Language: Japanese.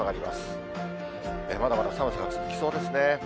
まだまだ寒さが続きそうですね。